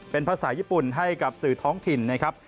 เป็นภาษาญี่ปุ่นให้กับสื่อท้องถิ่นนะครับ